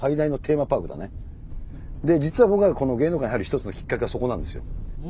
実は僕がこの芸能界に入る一つのきっかけはそこなんですよ。